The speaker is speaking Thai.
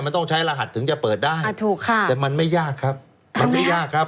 มันต้องใช้รหัสถึงจะเปิดได้อ่าถูกค่ะแต่มันไม่ยากครับมันไม่ยากครับ